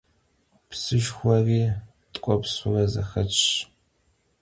Psışşxueri tk'uepsure zexetş.